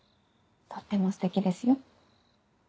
とってもステキですよ。